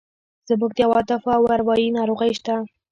زموږ د عواطفو او اروایي ناروغۍ شته.